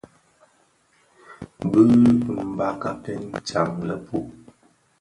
Bi mbakaken jaň lèpub,